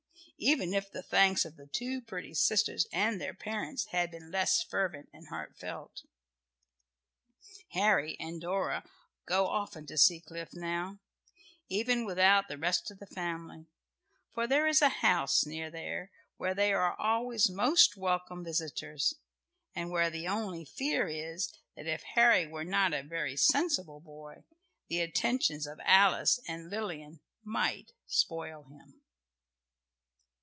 even if the thanks of the two pretty sisters and their parents had been less fervent and heartfelt. Harry and Dora go often to Seacliff now, even without the rest of the family; for there is a house near there where they are always most welcome visitors, and where the only fear is that if Harry were not a very sensible boy, the attentions of Alice and Lilian might spoil him.